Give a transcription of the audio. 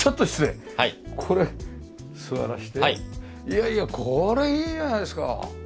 いやいやこれいいじゃないですか。